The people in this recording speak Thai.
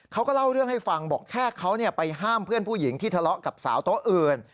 เขาก็เล่าเรื่องให้ฟังบอกแค่เขาไปห้ามเพื่อนผู้หญิงที่ทะเลาะกับสาวโต๊ะอื่น